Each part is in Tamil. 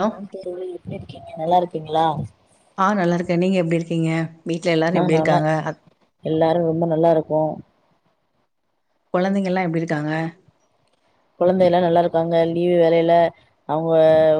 ஹலோ அ தோழி எப்பிடி இருக்கீங்க நல்லா இருக்கீங்களா ஆஹ் நல்லா இருக்கேன் நீங்க எப்படி இருக்கீங்க வீட்டு்ல எல்லாரும் எப்படி இருக்காங்க எல்லாரும் ரொம்ப நல்லா இருக்கோம் குழந்தைங்கல்லாம் எப்படி இருக்காங்க குழந்தை எல்லாம் நல்லா இருக்காங்க லீவு் வேலையில அவங்க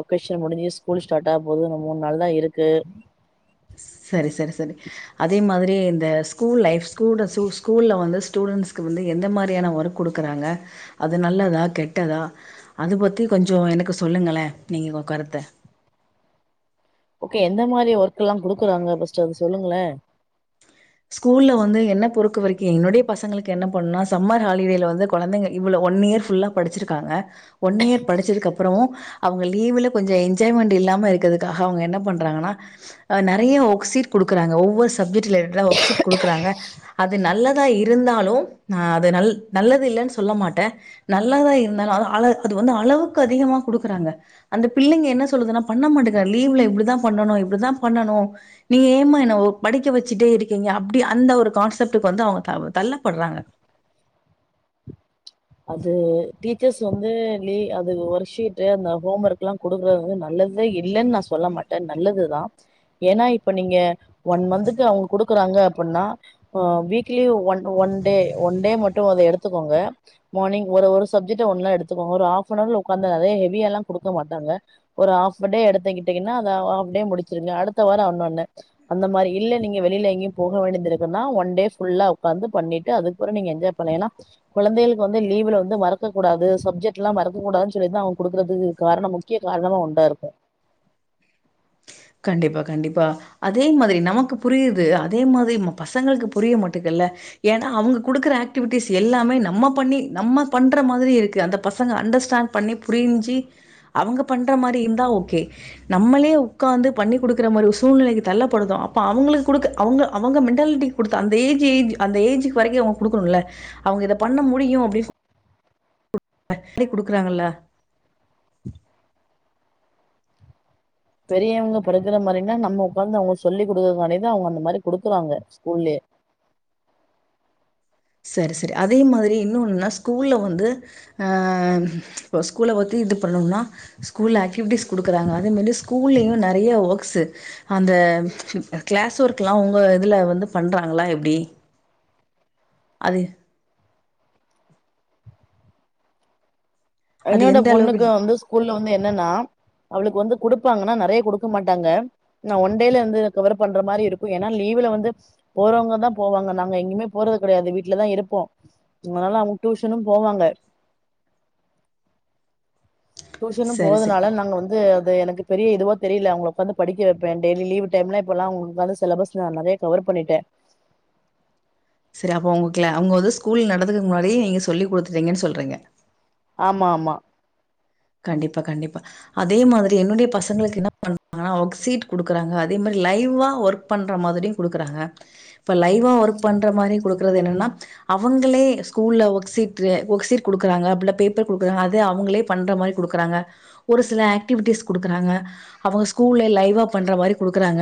ஒகேஷன் முடிஞ்சு ஸ்கூல் ஸ்டார்ட் ஆக போது நம்ம மூணு நால்தா இருக்கு சரி சரி சரி அதே மாதிரி வந்து இந்த ஸ்கூல் லைஃப் ஸ்டூடன்ஸ் ஸ்கூல்ல வந்து எந்த மாதிரியான ஒர்க் கொடுக்கறாங்க அது நல்லதா கெட்டதா அத பத்தி கொஞ்சம் எனக்கு சொல்லுங்களே நீங்க உங்க கருத்த என்ன மாதிரி ஒர்க் எல்லாம் குடுக்குறாங்க பஸ்ட் அது சொல்லுங்களே ஸ்கூல்ல வந்து என்ன பொறுக்கு வரைக்கும் என்னுடைய பசங்களுக்கு என்ன பண்ணலா சம்மா ஹாலிடேல வந்து குழந்தைங்க இவ்ள ஒன் இயர் ஃபுல்லா படிச்சிருக்காங்க ஒன் இயர் படிச்சதுக்கு அப்புறம் அவங்க லீவு்ல கொஞ்சம் என்ஜாய்மெண்ட் இல்லாம இருக்கறதுக்காக அவங்க என்ன பண்றாங்கன்னா நிறைய ஒர்க் சீ்ட் கொடுக்குறாங்க ஒவ்வொரு சப்ஜெக்ட் ஒ ஒர்க் சீட் கொடுக்கறாங்க அது நல்லதா இருந்தாலும் அது நல்லது இல்லேன்னு சொல்ல மாட்டேன் நல்லதா இருந்தாலும் அது அள அது வந்து அளவுக்கு அதிகமா கொடுக்கறாங்க அந்த பிள்ளைங்க என்ன சொல்லுதுனா பண்ண மாட்டேல லீவுல இப்படி தான் பண்ணனும் இப்படி தான் பண்ணனும் நீ ஏமா படிக்க வச்சுட்டே இரு ங்க அப்படி அந்த ஒரு கான்செப்டுக்கு வந்து அவங்க தள்ளப்படுறாங்க அது டீச்சர்ஸ் வந்து அது ஒர்க் ஷீட் அந்த ஹோம் ஒர்க் எல்லாம் கொடுங்கறது வந்து நல்லது தான் இல்லைன்னு நான் சொல்ல மாட்டேன் நல்லதுதான் ஏன்னா இப்ப நீங்க ஒன் மன்த்துக்கு அவுங்க குடுக்குறாங்க அப்புன்னா அ வீக்லி ஒ ஒன் டே ஒன் டே மட்டு அத எடுத்துக்கோங்க மார்னிங் ஒரு ஒரு சப்ஜெக்ட ஒன்னா எடுத்துக்கோங்க ஒரு ஹாஃப் என் ஆர் உக்காந்தாலே ஹெவியாலா குடுக்க மாட்டாங்க ஒரு ஆஃப் எ டே எடுத்துகிட்டிங்கனா அத ஆஃப் டே முடிச்சிருங்க அடுத்த வார இன்னொன்னு அந்த மாரி இல்ல நீங்க வெளியில எங்கயு போக வேண்டியதிருக்குன்னா ஒன் டே ஃபுல்லா உக்காந்து பண்ணிட்டு அதுப்புற நீங்க என்ஜாய் பண்லா ஏனா குழந்தைகள் ளுக்கு வந்து லீவுல வந்து மறக்க கூடாது சப்ஜெக்ட்லா மறக்கக்கூடாதுன் சொல்லிதா அவங்க குடுக்குறதுக்கு காரண முக்கிய காரணமு உண்டா இருக்கு கண்டிப்பா கண்டிப்பா அதே மாதிரி நமக்கு புரியுது அதே மாதிரி நம்ம பசங்களுக்கு புரிய மாட்டுதுல்ல ஏனா அவுங்க குடுக்குற ஆக்டிவிட்டிஸ் எல்லாமே நம்ம பண்ணி நம்ம பண்ற மாதிரி இருக்கு அந்த பசங்க அண்டர்ஸ்டாண்ட் பண்ணி புரிஞ்சி அவங்க பண்ற மாரி இருந்தா ஓகே நம்மளே உக்காந்து பண்ணி குடுக்குற மாரி ஒரு சூழ்நிலைக்கு தள்ளப்படுதோ அப்ப அவங்களுக்கு குடுக் அவங்க அவங்க மென்டாலிட்டிக் குடுத்த அந்த ஏஜ் ஏஜ் அந்த ஏஜுக்கு வரைக்கு அவங்க குடுக்கணுல்ல அவங்க இத பண்ண முடியு அப்டி [inaudible] குடுக்குறாங்கல்ல பெரியவங்க படுக்கிற மாரினா நம்ம உக்காந்து அவங்ளுக் சொல்லி குடுக்கற மாரிதா அவங்க அந்த மாரி குடுக்குறாங்க ஸ்கூல்லயே சரி சரி அதே மாதிரி இன்னொனுன்னா ஸ்கூல்ல வந்து ஆ இப்ப ஸ்கூல பத்தி இது பண்ணும்னா ஸ்கூல்ல ஆக்டிவிட்டிஸ் குடுக்குறாங்க அதே மாரி ஸ்கூல்லயு நெறைய ஒர்க்ஸு அந்த கிளாஸ் ஒர்க்லா உங்க இதுல வந்து பண்றாங்ளா எப்டி அது அது என்னோட எந்த அளவுக்கு பொண்ணுக்கு வந்து ஸ்கூல்ல வந்து என்னனா அவளுக்கு வந்து குடுப்பாங்கனா நெறைய குடுக்க மாட்டாங்க ஆ ஒன் டேல இருந்து கவர் பண்ற மாரி இருக்கு ஏனா லீவுல வந்து போறவங்கதா போவாங்க நாங்க எங்கேமே போறது கெடையாது வீட்லதா இருப்போ அதனால அவங்க டியூஷனு போவாங்க டியூஷனு சரி, சரி. போததுனால நாங்க வந்து அது எனக் பெரிய இதுவா தெரில அவுங்கள உக்காந்து படிக்க வெப்பே டெய்லி லீவ் டைம்லா இப்பல்லா உங்ளுக்கானு சிலபஸ் நா நெறையா கவர் பண்ணிட்டே செரி அப்ப உங்ளுக்ல அவங்க வந்து ஸ்கூல் நடத்றதுக்கு முன்னாடி நீங்க சொல்லி குடுத்துட்டன் சொல்றிங்க ஆமா ஆமா கண்டிப்பா கண்டிப்பா அதே மாதிரி என்னுடைய பசங்களுக்கு என்ன பண்றாங்கனா ஒர்க் சீட் குடுக்குறாங்க அதே மாரி லைவா ஒர்க் பண்ற மாதிரியு குடுக்குறாங்க லைவா ஒர்க் பண்ற மாரி குடு க்றது என்னனா அவங்களே ஸ்கூல்ல ஒர்க் சீட் ஒர்க் சீட் குடுக்கறாங்க புள்ள பேப்பர் குடுக்கறாங்க அது அவங்களே பண்ற மாரி கொடுக்கறாங்க ஒரு சில ஆக்டிவிட்டீஸ் கொடுக்கறங்க அவங்க ஸ்கூல்ல லைவ் பண்ற மாதிரி கொடுகுகிறாங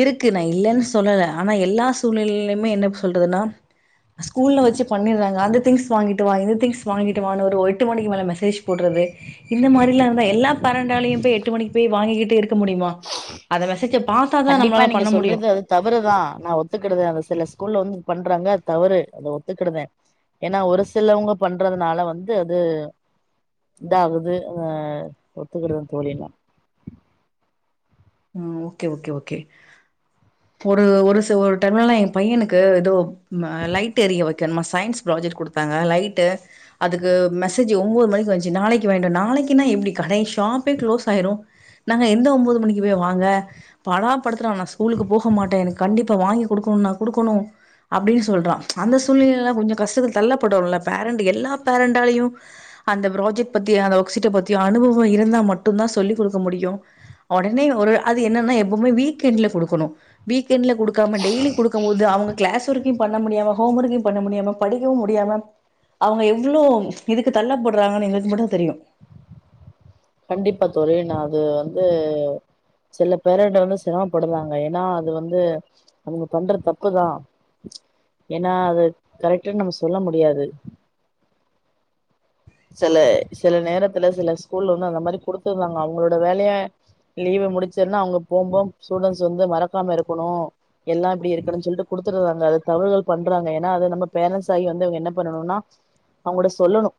இருக்கு நான் இல்லேன்னு சொல்லல ஆனா எல்லா சூழ்நிலையிலையுமே என்ன சொல்றதுன்னா ஸ்கூல்லல வச்சு பண்ணடுறாங்க அந்த வாங்கிட்டு வா இந்த திங்ஸ் வாங்கிட்டு வா ஒரு எட்டு மணிக்கு மேல மெசேஜ் போடுறது இந்த மாதிரியெலா இருந்தா எல்லா பரண்டாளய போய் எட்டு மணிக்கு போய் வாங்கிக் பாத்தாதா கண்டிப்பா நம்மளால நீங்க பண்ண முடியு சொல்றது அது தவறுதான் நான் ஒத்துக்கடுதேன் அத சில ஸ்கூல்ல வந்து பண்றாங்க அது தவறு அதை ஒத்துக்கிடுதேன் ஏன்னா ஒரு சிலவங்க பண்றதுனால வந்து அது இதாகுது அ ஒத்துக்கிடுதுன்னு தோழல்லான் ஓகே ஓகே ஓகே ஒரு ஒரு டைம்ல பையனுக்கு ஏதோ லைட் எரிய வைக்கணுமா சயின்ஸ் ப்ராஜெக்ட் கொடுத்தாங்க லைட்டு அதுக்கு மெசேஜ் ஒன்பது மணிக்கு வந்துச்சு நாளைக்குவேண்டும் நாளைக்குனா எப்படி கடை ஷாப்பே க்ளோஸ் ஆயிரும் நாங்க எந்த ஒன்பது மணிக்கு போ வாங்க பாடாப் படுத்துறான் நான் ஸ்கூலுக்கு போக மாட்டேன் எனக்கு கண்டிப்பா வாங்கி குடுக்கணா குடுக்கணு அப்டின்னு சொல்றா அந்த சூழ்நிலைல கொஞ்சொ கஷ்ட தள்ளப்படுறோல ஃபேரண்ட் எல்லா ஃபேரண்டாலயு அந்த ப்ராஜெக்ட் பத்திய அந்த ஒர்க் சீட்ட பத்தியோ அனுபவொ இருந்தா மட்டுந்தா சொல்லிக் குடுக்க முடியு ஒடனே ண்மயில் ஒரு அது என்னனா எப்பவுமே வீக்கெண்ட்ல கொடுக்கணு வீக் கெண்ட்ல குடுக்காம டெய்லி குடுக்கம் போது அவங்கள் கிளாஸ் ஒர்க்கயு பண்ண முடியாம ஹோம் ஒர்க்கையு பண்ண முடியாம படிக்கவு முடியாம அவங்க எவ்ளோ இதுக்கு தள்ளப்படுறாங்கன்னு எங்களுக்கு மட்டுதா தெரியு கண்டிப்பா தோழி நா அது வந்து சில ஃபேரண்ட வந்து சிரமப்படுறாங்க ஏன்னா அது வந்து அவங்க பண்றது தப்புதா ஏனா அது கரெக்டுன் நம்ம சொல்ல முடியாது செல செல நேரத்துல செல ஸ்கூல்ல வந்து அந்த மாரி குடுத்தறாங்க அவங்களோட வேலைய லீவு முடிச்சதுன்னா அவங்க போகும்போ ஸ்டூடெண்ட்ஸ் வந்து மறக்காம இருக்கணு எல்லாம் இப்டி இருக்கனும் சொல்ட்டு குடுத்துறாங்க அது தவறுதல் பண்றாங்க ஏனா அது நம்ம பேரண்ட்ஸ்ஸாகி வந்து அவங்க என்ன பண்ணணுனா அவங்கள்ட சொல்லணு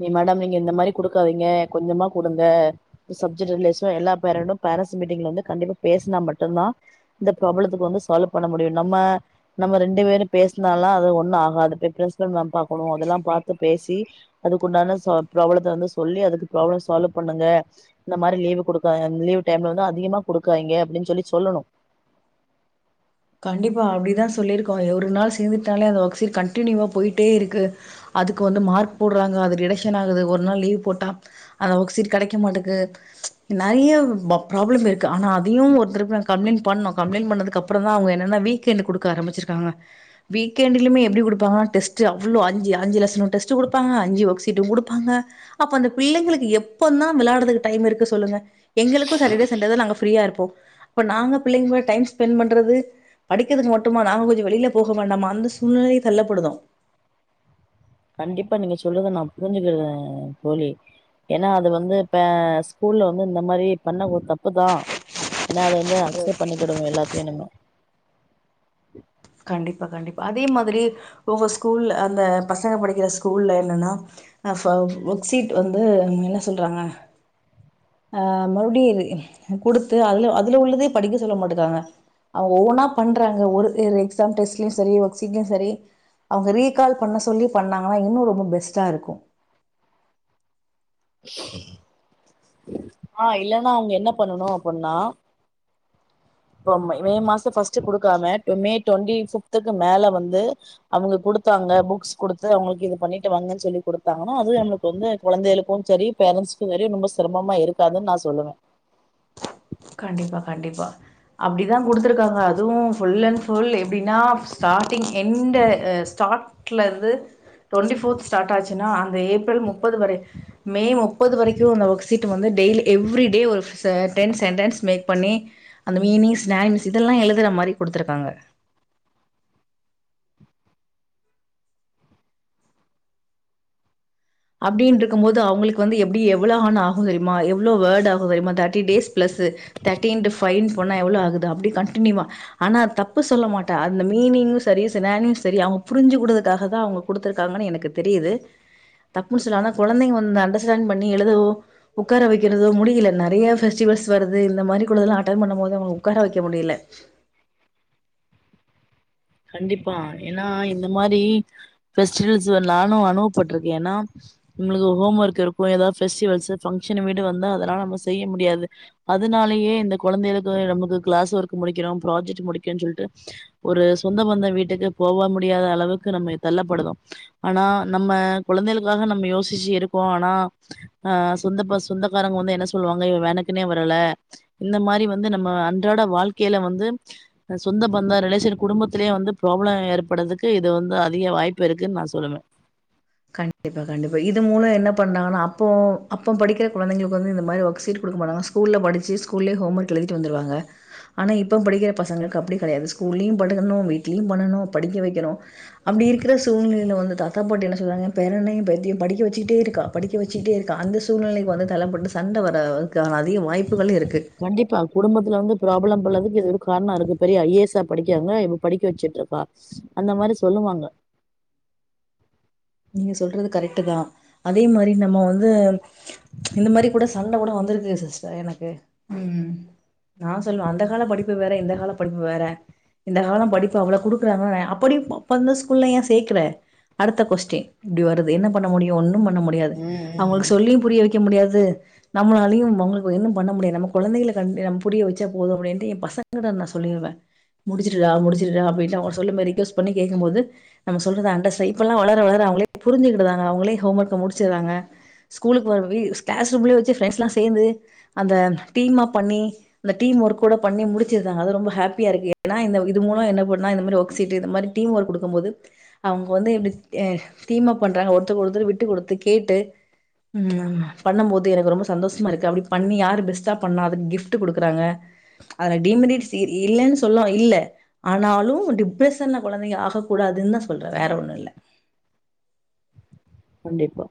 நீ மேடம் நீங்க இந்த மாரி குடுக்காதீங்க கொஞ்சமா குடுங்க சப்ஜெக்ட் ரிலேஷன் எல்லா பேரண்டு பேரண்ட்ஸ் மீட்டிங்ல வந்து கண்டிப்பா பேசுனா மட்டுந்தா இந்த பிராபலத்துக்கு வந்து சால்வு பண்ண முடியு நம்ம நம்ம ரண்டு பேரும் பேசுனாலா அது ஒன்னு ஆகாது பேய் பிரின்சிபல் மேம் பா க்கனு அதெல்லா பாத் பேசி அதுக்கு உண்டான சா புராப்ளத்த வந்து சொல்லி அதுக்கு ப்ராப்ளம் சால்வ் பண்ணுங்க இந்த மாரி லீவு குடுக்கா ந்த லீவ் டைம்ல வந்து அதிகமா குடுக்காதிங்க அப்படின்னு சொல்லி சொல்லணு கண்டிப்பா அப்டிதா சொல்லிருக்கோ எ ஒரு நாள் சேந்துட்டாலே அந்த ஒர்க்சீட் கண்டினியூவா போயிட்டே இருக்கு அதுக்கு வந்து மார்க் போடுறாங்க அது ரிடக்ஷன் ஆகுது ஒரு நாள் லீவ் போட்டா அந்த ஒர்க் சீட் கெடைக்க மாட்டக்கு ச் நெறைய ப ப்ராப்ளத்துல இருக்கு ஆனா அதையும் ஒருத்தர் போய் அங் கம்ப்ளைண்ட் பண்ணோ கம்ப்ளைன் பண்ணதுக்கு அப் அப்பறந்தா அவங்க என்னன்னா வீக்கெண்டு குடுக்க ஆரம்பிச்சிருக்காங்க வீக்கெண்டுலுமே எப்டி குடுப்பாங்கனா டெஸ்ட்டு அவ்வளோ அஞ்சு அஞ்சு லெஸனு டெஸ்ட்டு குடுப்பாங்க அஞ்சு ஒர்க் ஷீட்டு குடுப்பாங்க அப்ப அந்த பிள்ளைங்களுக்கு எப்பந்தா விளாடறதுக்கு டைம் இருக்கு சொல்லுங்க எங்களுக்கு சாட்டடே சண்டே தா நாங்க ஃபீரியா இருப் போ அப்ப நாங்க பிள்ளைங் கூட டைம் ஸ்பென்ட் பண் றது படிக்கிறதுக்கு மட்டுமா நாங்க கொஞ்ச வெளில போக வேண்டாமா அந்த சூழ்நிலையில் தள்ளப்படுதோ கண்டிப்பா நீங்க சொல்லுர்த நா புரிஞ்சுக்கறே தோழி ஏன்னா அது வந்து பே ஸ்கூல்ல வந்து இந்த மாரி பண்ண ஒரு தப்பு தா ஏன்னா அத வந்து அக்சப்ட் பண்ணிக்கிடணு எல்லாத்தையு நம்மோ கண்டிப்பா கண்டிப்பா அதே மாதிரி ஒவ்வொரு ஸ்கூல்ல அந்த பசங்க படிக்கிற ஸ்கூல்ல என்னன்னா அ ஃப ஒர்க்ஷீட் வந்து என்ன சொல்றாங்க ஆஹ் மறுபடியு இத குடுத்து அதுல அதுல உள்ளதே படிக்க சொல்ல மாட்டுக்றாங்க அவங் ஒவ்வொன்னா பண்றாங்க ஒரு [unintelligible] எக்ஸாம் டெஸ்ட்லயு சரி ஒர்க்ஷீட்லயு சரி அவங்க ரீகால் பண்ண சொல்லி பண்ணாங்கனா இன்னு ரொம்ப பெஸ்ட்டா இருக்கு ஆஹ் இல்லனா அவங்க என்ன பண்ணனு அப்பிட்ன்னா ப்போமே மே மாச ஃபஸ்ட்டு குடுக்காம ட் மே ட்வெண்ட்டி ஃபிப்த்துக்கு மேல வந்து அவங்க குடுத்தாங்க புக்ஸ் குடுத்து அவங்களுக்கு இது பண்ணிட்டு வாங்கன் சொல்லி குடுத்தாங்கன்னா அது அவங்களுக்கு வந்து கொழந்தைகளுக்கு சரி பேரண்ட்ஸ்க்கு சரி ரொம்ப சிரமமா இருக்காதுன் நா சொல்லுவே கண்டிப்பா கண்டிப்பா அப்டி தா குடுத்துருக்காங்க அதுவு ஃபுல் அண்ட் ஃபுல்லே அப்டின்னா ஸ்டார்டிங் எண்டூ அ ஸ்டார்ட் லருந்து டுவெண்ட்டி ஃபோர்த் ஸ்டார்ட் ஆச்சுன்னா அந் த ஏப்ரல் முப்பது வரை மே முப்பது வரைக்கு அந்த ஒர்க் ஷீட் வந்து டெய்லி எவ்ரி டே ஒரு ஃபெச டென்ஸ் மேக் பண்ணி அந்த மீனிஸ் ஸ்னைம்ஸ் இதெல்லா எழுதற மாரி குடுத்துருக்காங்க அப்டின்ருக்கும் போது அவங்களுக்கு வந்து எப்டி எவ்வளோ ஹான் ஆஹு தெரியுமா எவ்வளோ வேர்ட் ஆகு தெரியுமா தேட்டி டேஸ் பிளஸ் தேட்டி இண்டு ஃபைன் போனா எவ்ளோ ஆகுது அப்டி கன்ட்னியூவா ஆனா தப்பு சொல்ல மாட்டே அந்த மீனிங்கு சரி சினானியம்ஸ் சரி அவங்க புரிஞ்சு குடுத்தக்காக தா அவங்க குடுத்துருக்காங்கன்னு எனக்கு தெரியுது தப்புன் சொல்லல ஆனா கொழந்தைங்க வந்து அண்டர்ஸ்டாண்ட் பண்ணி எழுதவு உக்கார வெக்கிறதோ முடியல நெறைய ஃபெஸ்டிவல்ஸ் வருது இந்த மாரிக்குள்ளதெல்லா அட்டண்ட் பண்ணும் போது அவங்கள உக்கார வெக்க முடியல கண்டிப்பா ஏனா இந்த மாரி ஃபெஸ்டிவல்ஸ்ல நானு அனுபவபட்ருக்கே ஏனா நம்மளுக்கு ஹோம் ஒர்க் இருக்கு எதாவது ஃபெஸ்டிவல்ஸு ஃபங்க்ஷனு போய்ட்டு வந்தா அதெல்லா நம்ம செய்ய முடியாது அதுனாலேயே இந்த கொழந்தைகளுக்கு நமக்கு கிளாஸ் ஒர்க் முடிக்கறோ ப்ராஜெக்ட்டு முடிக்கஞ் சொல்ட்டு ஒரு சொந்த பந்தோ வீட்டுக்கு போவ முடியாதளவுக்கு நம்மய தள்ளப்படுதோ ஆனா நம்ம கொழந்தைகளுக்காக நம்ம யோசிச்சு இருக்கோ ஆனா அ சொந்த பஸ் சொந்தக்காரங்க வந்து என்ன சொல்லுவாங்க இவ வேணக்குனே வரல இந்த மாரி வந்து நம்ம அன்றாட வாழ்க்கைல வந்து சொந்த பந்த ரிலேஷன் குடும்பத் துலயே வந்து ப்ராப்ளம் ஏற்படதுக்கு இது வந்து அதிக வாய்ப்பு இருக்குன் நா சொல்லுவே கண்டிப்பா கண்டிப்பா இது மூலோ என்ன பண்ணாங்கன்னா அப்போ அப்ப படிக்கிற கொழந்தைங்களுக்கு வந்து இந்த மாரி ஒர்க்ஷீட் குடுக்க மாட்டாங்க ஸ்கூல்ல படிச்சு ஸ்கூல்லே ஹோம் ஒர்க் எழுதிட்டு வந்துருவாங்க ஆனா இப்ப படிக்கிற பசங்களுக்கு அப்டி கெடையாது ஸ்கூல்லயு படுக்கணு வீட்லயு பண்ணனு படிக்க வெக்கணு அப்டி இருக்கற சூழ்நிலைல வந்து தாத்தா பாட்டி என்ன சொல்லுறாங்க பேரனயு பேத்தியு படிக்க வச்சிக்ட்டே இருக்கா படிக்க வச்சிக்ட்டே இருக்கா அந்த சூழ்நிலைக்கு வந்து தள்ளப்பட்டு சண்ட வர அளக்கு ஆளாக்து கண்டிப்பா குடும்பத்துல வந்து ப்ராப்ளம் உள்ளதுக்கு இது ஒரு காரணோ இருக்கு பெரிய ஐ ஏ எஸ் ஸா படிக்காங்க இப்ப படிக்க வெச்சுட்டு இருக்கா அந்த மாரி சொல்லுவாங்க நீங்க சொல்றது கரெக்ட்தா அதே மாரி நம்ம வந்து இந்த மாரி கூட சண்ட கூட வந்திருக்கு சிஸ்டர் எனக்கு இம் இம் நா சொல்வ அந்த கால படிப்பு வேற இந்த காலா படிப்பு வேற இந்த காலம் படிப்பு அவ்வளவு குடுக்குறாங்க அப்ப நீ அந்த ஸ்கூல்ல ஏ சேக்குற அடுத்த கொஸ்டின் கே இப்படி வருது என்ன பண்ண முடியு ஒன்னு ம் பண்ண முடியாது ம் அவுங்களுக்கு ம் சொல்லியும் புரிய வெக் க முடியாது நம்மளாலயு உங்களுக்கு ஒன்னும் பண்ண முடியாது. நம்ம கெழந்தைங்களுக்கு புரிய வெச்சா போது அப்டின்டு பசங்க கிட்ட சொல்லிருவ முடிச்சிடுடா முடிச்சிடுடா அப்படின்ட்டு அவுங்க சொல் மாரி ரிக்வெஸ்ட் பண்ணி கேக்கும்போது நம்ம சொல்லறத அண்டர்ஸ்டாண் இப்ப எல்லா வளர வளர அவங்களே புரிஞ்சிக்கிடறாங்க அவுங்களே ஹோம் ஒர்க்க முடிச்சுறாங்க ஸ்கூலுக்கு போற வீ கிளாஸ் ரூம்ல வெச்சு பிரெண்ட்ஸ் எல்லா சேந்து அந்த தீமா பண்ணி அந்த தீம் ஒர்க் ஓட பண்ணி முடிச்சிடுறாங்க அது ரொம்ப ஹேப்பியா இருக்கு ஏனா இந்த இது மூலோ என்ன பண்னுனா இந்த மாரி ஒர்க் ஷீட் இந்த மாரி டீம் ஒர்க் குடுக்கும்போது அவுங்க வந்து இப்டி தீமா பண்றாங்க ஒருத்தருக்கு ஒருத்தர் விட்டு கொடுத்து கேட்டு உம் பண்ணும்போது எனக்கு ரொம்ப சந்தோஷமா இருக்கு அப்படி பண்ணி யாரு பெஸ்ட்டா பண்ணா அதுக்கு கிஃப்ட் குடுக்கறாங்க அதுல டிமெனிட்ஸ் இல்லைன்னு சொல் இல்ல ஆனாலு டிப்ரஷன் குழந்தைங்க ஆக கூடாதுன்தா சொல்ற வேற ஒன்னு இல்ல கண்டிப்பா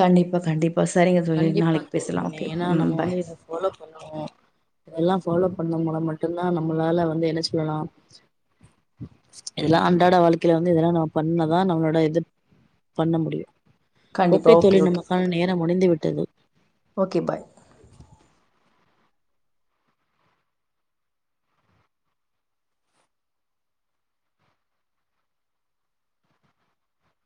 கண்டிப்பா கண்டிப்பா சரிங்க தோழி கண்டிப்பா நாளைக்கு தோழி பேசலா ஓகே ஏனா ம் நம்ம வந்து பாய் இத ஃபாலோ பண்ணுவோ இதெல்லாம் ஃபாலோ பண்ண மூலம் மட்டுந்தா நம்மளால வந்து என்ன சொல்லலாம் இதெல்லா அண்டாட வாழ்க்கையில வந்து இதெல்லாம் நம்ம பண்ணதா நம்மளோட இது பண்ண முடியு கண்டிப்பா ஓகே தோழி ஓகே நமக்கான நேரோ முடிந்துவிட்டு கே பாய்